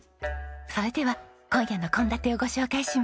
それでは今夜の献立をご紹介します。